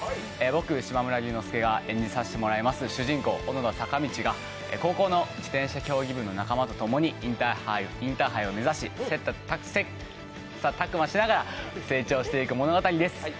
僕、島村龍乃介が演じさせてもらいます主人公・小野田坂道が高校の自転車競技部の仲間と共にインターハイを目指し、切磋琢磨しながら成長していく物語です。